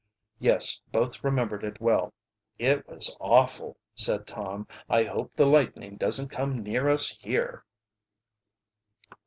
Yes, both remembered it well. "It was awful," said Tom. "I hope the lightning doesn't come near us here."